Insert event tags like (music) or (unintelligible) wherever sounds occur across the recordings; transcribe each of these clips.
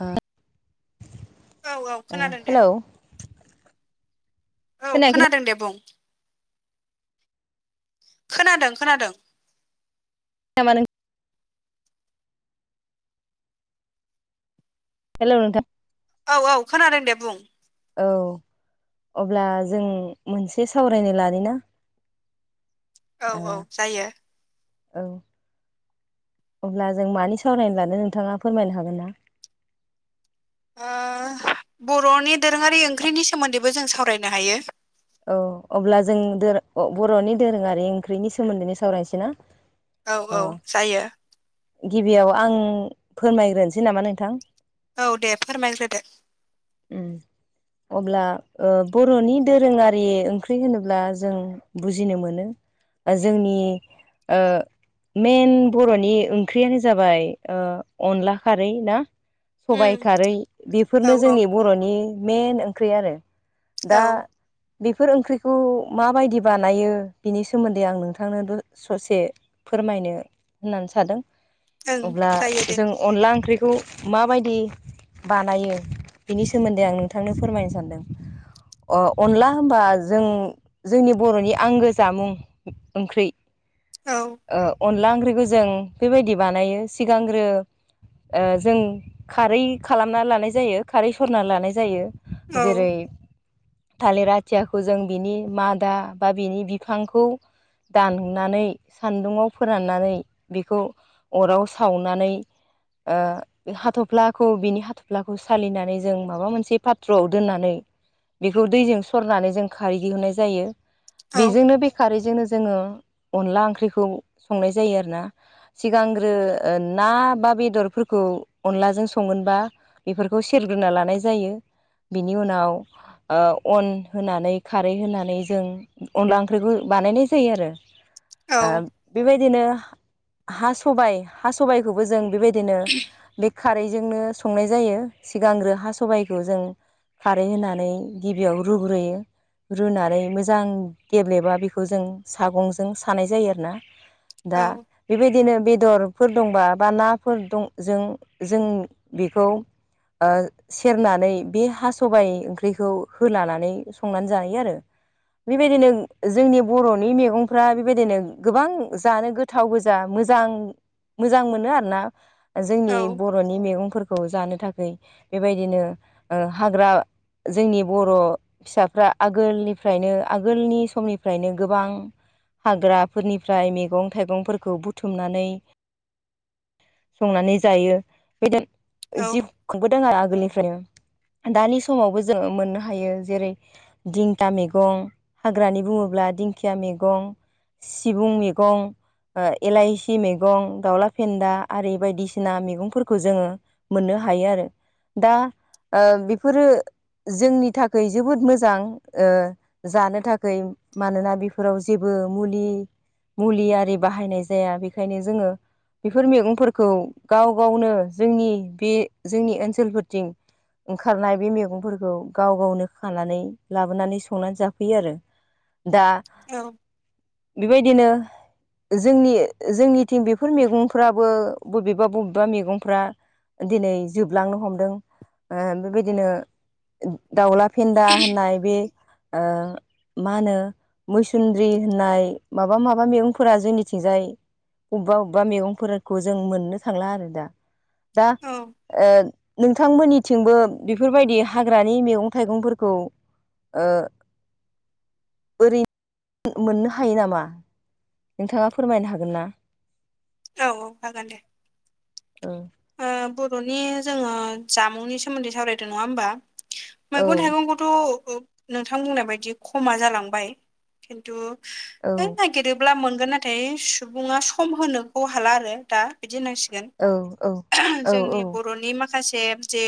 ओ- औ औ खोनादों दे। हेलौ औ खोनायाखै खोनादों दे बुं। खोनादों खोनादों। नामा नों। हेल' नोंथां। औ औ खोनादों दे बुं। औ अब्ला जों मोनसे सावरायनो लानि ना? औ ओ औ जायो। औ। अब्ला जों मानि सावरायनो लादों नोंथाङा फोरमायनो हागोन ना? ओम बर'नि दोरोङारि ओंख्रिनि सोमोन्दैबो जों सावरायनो हायो। औ अब्ला जों दोरों-बर'नि दोरोङारि ओंख्रिनि सोमोन्दैनो सावरायनोसै ना? औ अ औ जायो। गिबियाव आं फोरमायग्रोनोसै नामा नोंथां। औ दे फोरमायग्रोदो। ओम। अब्ला ओ- बर'नि दोरोङारि। आरि ओंख्रि होनोब्ला जों बुजिनो मोनोओ-जोंनि ओ- मेन बर'नि ओंख्रियानो जाबाय ओ-अनला खारै ना? सबाय उम खारै औ बेफोरनो औ जोंनि बर'नि मइेन ओंख्रि आरो दा। औ बेफोर ओंख्रिखौ माबायदि बानायो बिनि सोमोन्दै आं नोंथांनो ससे। फोरमायनो होननानै सादों ओं अब्ला जायो दे जों। अनला ओंख्रिखौ माबायदि? बानायो बिनि सोमोन्दै आं नोंथांनो फोरमायनो सानदों। अ-अनला। होनबा जों जोंनि बर'नि आंगो जामुं ओंख्रि। औ। ओ-अनला ओंख्रिखौ जों बेबायदि बानायो सिगांग्रो। ओ-जों खारै खालामना लानाय जायो खारै सरना लानाय जायो। जेरै थालिरा खुथियाखौ जों बिनि मादा बा बिनि बिफांखौ दाननानै सान्दुङाव फोराननानै बेखौ अराव सावनानै हाथ'फ्लाखौ बिनि हाथ'फ्लाखौ सालिनानै जों माबा मोनसे पाथ्र'आव दोननानै बेखौ दैजों सरनानै जों खारै दिहुननाय जायो औ बेजोंनो बे खारैजोंनो जोङो अनला ओंख्रिखौ संनाय जायो आर ना। सिगांग्रो ना बा बेदरफोरखौ अनलाजों संगोनबा बेफोरखौ सेरग्रोना लानाय जायो बिनि उनाव अन होनानै खारै होनानै जों अनला ओंख्रिखौ बानायनाय जायो आरो। औ बेबायदिनो हा सबाइ हा सबाइखौबो जों बेबायदिनो खारैजोंनो संनाय जायो सिगांग्रो हा सबायखौ जों खारै होनानै गिबियाव रुग्रोयो। रुनानै मोजां गेब्लेबा बेखौ जों सागंजों सानाय जायो आरो ना। औ दा बेबायदिनो बेदरफोर दंबा बा नाफोर दं जों जों बेखौ सेरनानै बे हा सबाइ ओंख्रिखौ होलानानै संनानै जायो आरो। बेबायदिनो जोंनि बर'नि मैगंफ्रा बेबायदिनो गोबां जानो गोथ थाव गोजा मोजां मोजां मोनो आरोना जोंनि ब औ र'नि मैगंफोरखौ जानो थाखाय बेबायदिनो ओ हाग्रा जोंनि बर' फिसाफ्रा आगोलनिफ्रायनो आगोलनि समनिफ्रायनो गोबां हाग्राफोरनिफ्राय मैगं थाइगंफोरखौ बुथुमनानै संनानै जायो। बेदि जि (unintelligible) खुंबोदों आरो आगोलनिफ्रायनो दानि समावबो जोङो मोननो हायो जेरै दिंथा मैगं, हाग्रानि बुङोब्ला दिंखिया मैगं, सिबुं मैगं, एलाइसि मैगं, दाउला फेन्दाआरि बायदिसिना मैगंफोरखौ जोङो मोननो हायो आरो दा बेफोरो जोंनि थाखायै जोबोद मोजां ओ जानो थाखाय मानोना बेफोराव जेबो मुलि मुलि आरि बाहायनाय जाया बेखायनो जोङो बेफोर मैगंफोरखौ गाव गावनो जोंनि बे जोंनि ओनसोलफोरथिं ओंखारनाय बे मैगंफोरखौ गाव गावनो खानानै लाबोनानै संनानै जाफैयो आरो दा औ बेबायदिनो जोंनि जोंनिथिं बेफोर मैगंफ्राबो बबेबा बबेबा मैगंफ्रा दिनै जोबलांनो हमदों, ओ बेबायदिनो दाउला फेन्दा होननाय बे ओ (inaudible) मा होनो मैसुन्द्रि होननाय माबा माबा मैगंफोरा जोंनिथिंजाय अबबा अबबा मैगंफोरखौ जों मोननो थांला आरो दा। दा औ नोंथांमोननिथिंबो बेफोरबायदि हाग्रानि मैगं थाइगंफोरखौ ओ ओरैनो मोननो हायो नामा? नोंथाङा फोरमायनो हागोन ना? औ औ हागोन दे। औ ओ बर'नि जोङो जामुंनि सोमोन्दै सावरायदों नङा होमबा? औ मैगं थाइगंखौ थ' नोंथां बुंनाय बायदि खमा जालांबाय खिन्थु औ फेदेरोब्ला मोनगोन नाथाय सुबुङा सम होनोखौ हाला आरो दा बिदि होनांसिगोन गोन औ ओ हम औ जोंनि बर'नि माख माखासे जे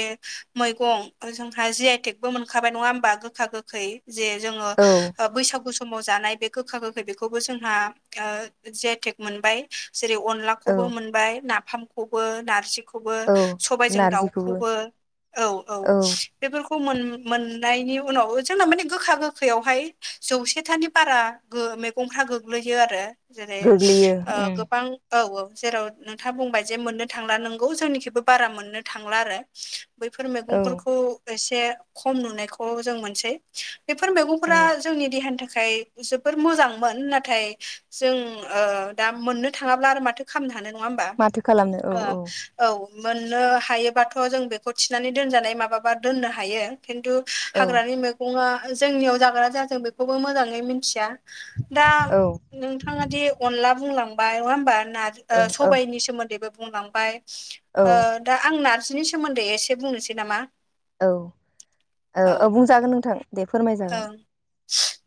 मैगं जोंहा जि आइ टेकबो मोनखाबाय नङा होमबा गोखा गोखै जे जोङो औ बैसागु सम समाव जानाय बे गोखा गोखै बेखौबो जोंहा जि आइ टेक मोनबाय जेरै अनला औ खौबो मोनबाय ना फामखोबो नारजि खौबो औ स'बायजों नारजिखौबो दाउखौबो औ औ बेफोरखौ मोन मोननायनि उनाव ओ जोंना माने गोखा गोखैयावहाय जौसेथानि बारा ओ मैगंफ्रा गोग्लैयो आरो जेरै गोग्लैयो ओ उम गोबां औ औ जेराव नोंथांआ बुंबाय जे मोननो थांला नोंगौ जोंनिखिबो बारा मोननो थांला आरो बेफोर औ मैगंफोरखौ एसे खम नुनायखौ जों मोनसै बेफोर औ मैगंफोरा जोंनि देहानि थाखाय जोबोर मोजांमोन नाथाय जों ओ दा मोननो थांआब्ला आर माथो खालामनो हानो नङा होमब माथो खालामनो औ ओ औ मोननो हायोबाथ' जों बेखौ थिनानै दोनजानाय माबाबा दोननो हायो औ खिन्थु हो औ हाग्रानि मैगंआ जोंनिआव जागोन ना जाया जों बेखौबो मोजाङै मिथिआ हो दा औ नोंथांआ दि अनला बुंलांबाय नङा होनबा नारजि ओ औ स'बाइनि सोमोन्दैबो बुंलांबाय औ ओ दा आं नारजिनि सोमोन्दै एसे बुंनोसै नामा औ ओ ओ बुंजागोन नोंथां दे फोरमायजा ओ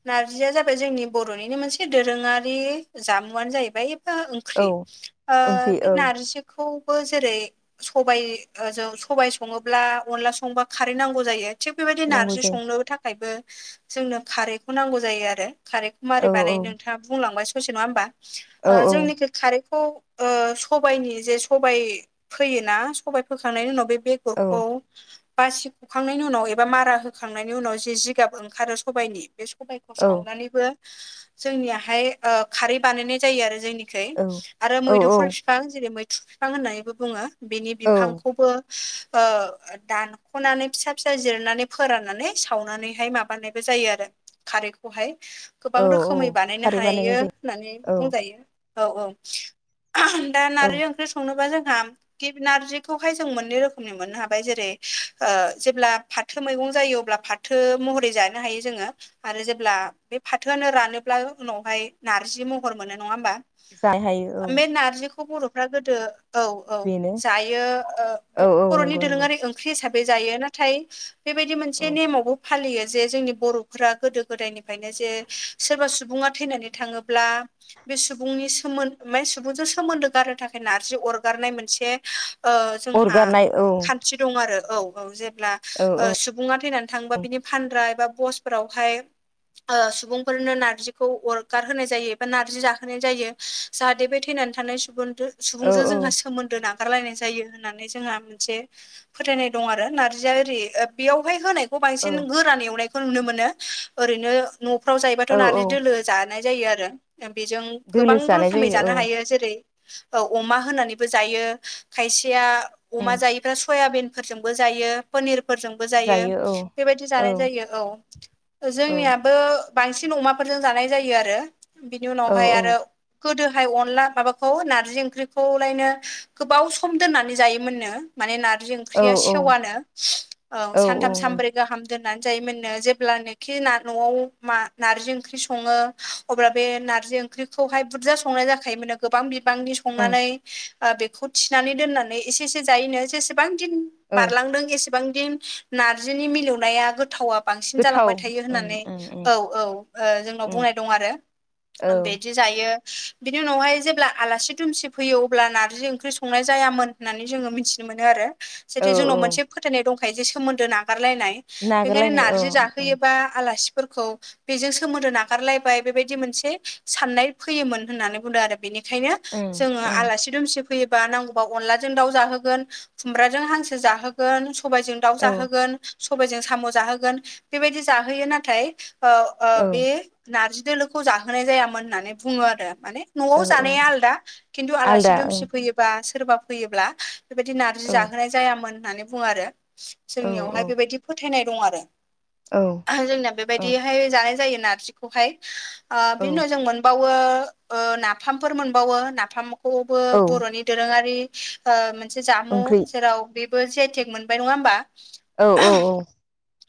नारजिआ जाबाय जोंनि बर'निनो मोनसे दोरोआरि जामुआनो जाहैबाय ओ औ ओंख्रि ओंख्रि बे ओ औ नारजिखौबो जेरै सबाइ जों सबाइ सङोब्ला अनला संबा खारै नांगौ जायो थिग बेबादि नांगौ नारजि जायो संनो थाखायबो जोंनो खारैखौ नांगौ जायो आरो खारैखौ मारै औ बानाय नोंथांआ बुंलांबाय स'से नङा होमबा औ ओ जोंनि खो खारैखौ ओ सबायनि जे सबायाइ फोयोना सबाय फोखांनायनि उनाव बे बेगर औ औ बासिख'खांनायनि उनाव एबा मारा होखांनायनि उनाव जि जे जिगाब ओंखारो सबाइनि बे सबाइखौ औ सावनानैबो जोंनिआहाय ओ खारै बानायनाय जायो आरो जोंनिखै आरो औ मोदोमफुल फि बिफां जेरै मैथ्रु बिफां होननानैबो बुङो बेनि औ बिफांखौबो ओ दानख'नानै फिसा फिसा जिरनानै फोराननानै सावनानै बेहाय माबानायबो जायो आरो खारैखौहाय गोबां औ औ रोखोमै बानायनो खारै हायो बानायनाय होननानै जायो औ बुंजायो औ औ ओह दा औ नारजि ओंख्रि संनोबा जोंहा गि नारजिखौहाय जों मोननै रोखोमनि मोननो हाबाय जेरै ओ जेब्ला फाथो मैगं जायो अब्ला फाथो थो महरै जानो हायो जोङो आरो जेब्ला बे फाथोआनो रानोब्ला उनावहाय नारजि महर मोनो नङा होमबा? जानो हायो औ उम बे नारजिखौ बर'फ्रा गोदो औ औ बेनो जायो औ ओ औ बर'नि नंगौ नंगौ दोरोंआरि ओंख्रि हिसाबै जायो नाथाय हो बेबायदि औ मोनसे नेम आवबो फालियो जे जोंनि बर'फोरा गोदो गोदायनिफायनो जे सोरबा सुबुङा थैनानै थाङोब्ला बे सुबुंनि सोमोन बे सुबुंजों सोमोन्दो गारहोनो थाखाय नारजि अरगारनाय मोनसे ओ जोंहा अरगारनाय औ खान्थि दं आरो औ औ जेब्ला औ ओ औ सुबुंआ थैनानै थांओबा बिनि फानग्रा एबा बसफोरावहाय ओ सुबुंफोरनो नारजिखौ अरगार होनोनाय जायो बा नारजि जाहोनाय जायो जाहाथे बे थैनानै थानाय सुबुं औ सुबुंजों औ जोंहा सोमोन्दो नागा गारलायनाय जायो होननानै जोंहा मोनसे फोथायनाय दं आरो नारजि आरो ओरै बेयावहाय होनायखौ औ बांसिन गोरान एवनायखौ नुनो मोनो ओरैनो न'फोराव जायोबाथ' औ नारजि औ दोलो। जानाय जायो आरो बेजों गोबां दोलोसो जानाय रोखोमै जायो जानो औ हायो। जेरै अमा होनानैबो जायो खायसेया उम अमा जायि मफ्राय सयाबिनफोरजोंबो जायो पनिरफोरजोंबो जायो। बेबायदि औ जानाय जायो औ औ जोंनियाबो बांसिन अमाफोरजों जानाय जायो आरो। बिनि औ उनावहाय आरो गोदोहाय अनला माबाखौ नारजि ओंख्रिखौलायनो गोबाव सम दोननानै जायोमोननो माने नारजि ओं औ ख्रिरिया सेवानो औ सानथाम सानब्रै गाहाम दोननानै जायोमोननो जेब्लानोखि न'आव मा नार्जि ओंख्रि सङो अब्ला बे नारजि ओंख्रिखौहाय बुरजा संनाय जाखायोमोनो गोबां बिबांनि ओं संनानै ओ बेखौ थिनानै दोननानै एसे एसे जायैनो जेसेबां दिन औ बारलांदों एसे बां दिन नार्जिनि मिलौनाया गोथावा बांसि गोथाव जालांबाय थायो उम होननानै उम उम औ औ जोंनाव उम बुंनाय दं आरो औ बिदि जायो बिनि उनावहाय जेब्ला आलासि दुमसि फैयो अब्ला नारजि ओंख्रि संनाय जायामोन। होननानै जोङो मिथिनो मोनो आरो औ जितु जोंनाव औ मोनसे फोथायनाय दंखायो जे सोमोन्दो नागारलायनाय बेखायनो नागारलायनाय औ नार्जि उम जाहोयोबा आलासिफोरखौ बेजों सोमोन्दो नागारलायबाय बेबायदि मोनसे साननाय फैयोमोन होननानै बुंदों आरो बेनिखायनो उम जोङो उम आलासि दुमसि फैयोबा नांगौबा अनला जों दाउ जाहोनाव खुमब्रा जों हांसो जाहोगोन सबाय जों दाउ औ जाहोगोन सबायजों साम' जाहोगोन बेबायदि जाहोयो नाथाय ओ ओ औ बे नारजि दोलोखौ जाहोनाय जायामोन होननानै बुङो आरो। माने न'आव औ औ जानाया आलदा खिन्थु आलासि आलदा ओं दुमसि फैयोबा सोरबा फैयोब्ला बेबायदि नार्जि औ जाहोनाय जायामोन होननानै बुङो आरो औ जोंनियावहाय औ बेबायदि फोथायनाय दं आरो औ जोंनाया बे औ बायदिहाय जानाय जायो नारजिखौहाय। बिनि औ उनाव जों मोनबावो नाफामफोर मोनबावो नाफामखौबो औ बर'नि दोरोङारि मोनसे जामु ओंख्रि जेराव बेबो जे आइटेक मोनबाय नङा होमबा? औ औ औ।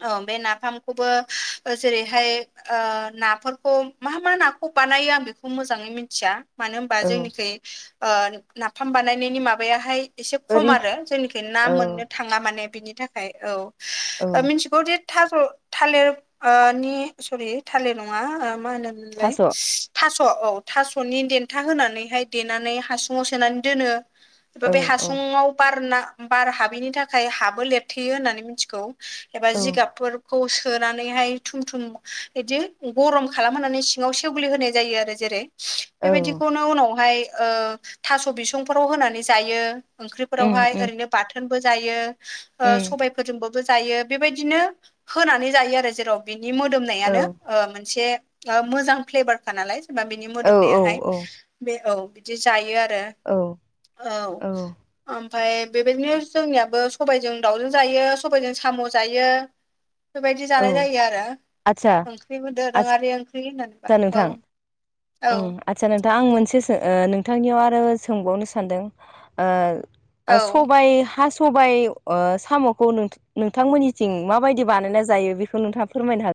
औ बे नाफामखौबो जेरैहाय नाफोरखौ मा मा नाखौ बानायो आं बेखौ मोजाङै मिथिया। मानो होनबा औ जोंनिखै ओ नाफाम बानायनायनि माबायाहाय एसे खम ओरै आरो जोंनिखै ना औ मोननो थाङा माने बिनि थाखाय औ मिथिगौ जे थाज' थालिर नि सरि थालिर नङा मा होनोमोनलाय? थास' औ थास' औ थास'नि देन्था होनानैहाय देनानै हासुङाव सोनानै दोनो (unintelligible) औ बे औ हासुुंआव बारना बार हाबैनि थाखाय हाबो लेरथेयो होननानै मिथिगौ। एबा जिगाबफोरखौ सोनानैहाय थुम थुम बिदि गरम खालामहनानै सिङाव सेवलि होनाय जायो आरो जेरै औ बेबायदिखौनो उनावहाय ओ थास' बिसंफोराव होनानै जायो। उम ओंख्रिफोरावहाय उम ओरैनो बाथोनबो जायो उम सबायफोरजों बाबो जायो बेबायदिनो होनानै जायो आरो जेराव बिनि औ मोदोमनायानो मोनसे मोजां फ्लेभारखा नालाय जेनेबा बिनि औ औ मोदोमनायाहाय बे औ बिदि जायो आरो औ। ओमफफ्राय बेबायदिनो जोंनियाबो सबायजों दाउजों जायो। सबायजों साम' जायो बेबायदि औ जानाय जायो आरो। बेबो दोरोङारि ओंख्रि होननानै दा नोंथां औ। आच्छा नोंथां आं मोनसे ओ नोंथांनियाव आरो सोंबावनो सानदों। औ सबबाय हास सबाय ओ साम'खौ नोंथांमोननिथिं माबायदि बानायना जायो बेखौ नोंथाङा फोरमाय हा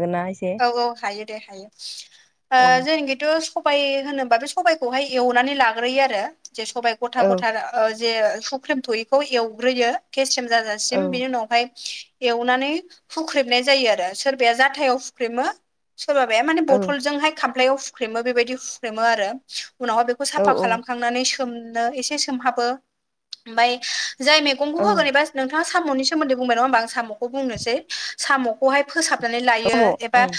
होन्ना? औ औ हायो दे हायो। ओ औ जोंखिथ' सबाय होनोबा बे सबाइखौहाय एवनानै लाग्रोयो आरो जे सबाइ गथा औ गथा ओ जे सुख्रेम थयिखौ एवग्रोयो केसिम औ जाजासिम बिनि उनावहाय एवनानै हुख्रेबनाय जायो आरो, सोरबाया जाथायाव हुख्रेमो। सोरबाबाया माने औ बथलजोंहाय खामलायाव हुख्रेमो बेबायदि हुख्रेमो आरो उनावहाय बेख औ साफा औ खालामखांनानै सोमनो एसे सोमहाबो ओमफाय जाय मे गंखौ औ होगोन एबा नोंथाङा साम'नि सोमोन्दै बुंबाय नङा होमबा आं साम'खौ बुंनोसै साम' खौहाय फोसाबनानै लायो साम' एबा उम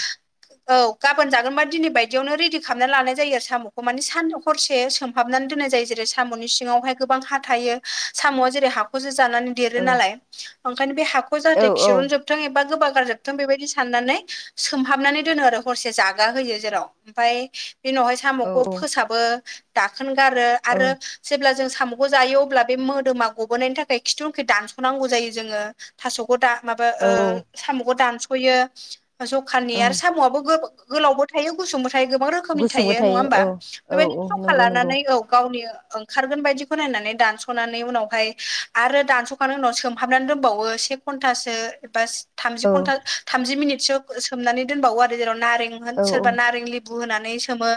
औ गाबोन जागोनबा दिनै बायदियावनो रेडि खालामना लानाय जायो आरो साम'खौ माने सान हरसे सोम हाबनानै दोननाय जायो जेरै साम'नि सिङावहाय गोबां हा थायो साम'आ जेरै हाखौसो जानानै देरो औ नालाय। ओंखायनो बे हाखौ औ जाहाथे औ खिरनजोबथों एबा गोबा गारजोबथों बेबायदि साननानै सोमहाबनानै दोनो आरो हरसे जागा होयो जेराव, ओमफाय बे उनावहाय साम'खौ औ फोसाब बो दाखोन गारो आरो जेब्ला जों साम'खौ जायो अब्ला बे मोदोमा गबोनायनि थाखाय खिथुउखै दानस'नांगौ जायो जोङो। फास' गदा माबा ओ औ औ साम'खौ दानस'यो जखानि आरो ओं साम'आबो गो गोलावबो थायो गुसुंबो थायो गोबां रोख खोमनि गुसुंबो थायो नङा होमबा औ औ बेबायदिनो औ जखा नंगौ नंगौ लानानै औ गावनि खारगोन बायदिखौ नायनानै दानस'नानै उनावहाय आरो दानस' खामनानै उनाव सोमहाबनानै दोनबावो से घन्टासो एबा थामजि औ घन्टा थामजि मिनिटसो सोमनानै दोनबावो आरो जेराव नारें होन औ सोरबा नारें लि बु होनानै सोमो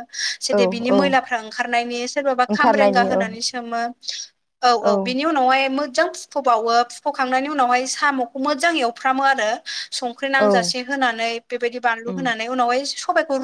औ सेदे बिनि औ मैलाफ्रा ओंखारनायनि सोरबाबा खामरेंगा ओंखारनायनि औ होनानै मो औ औ बेनि उनाव उनावहाय मोजां फुफ'बावो फुफ'खांनायनि उनावहाय साम'खौ मोजां एवफ्रामो आरो। संख्रि औ नांजासे होनानै बेबायदि बानलु उम होनानै उनावहाय सबायखौ रु